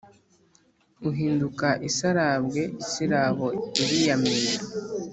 Uhinduka isarabwe isirabo iriyamira